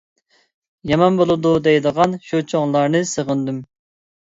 «يامان بولىدۇ» دەيدىغان شۇ چوڭلارنى سېغىندىم.